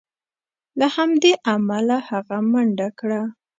له همدې امله هغه منډه کړه.